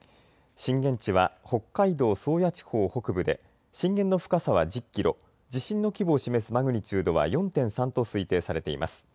震源地は北海道宗谷地方北部で震源の深さは１０キロ地震の規模を示すマグニチュードは４．３と推定されています。